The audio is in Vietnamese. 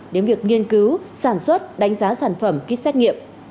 được nghiên cứu sản xuất đánh giá sản phẩm kết xét nghiệm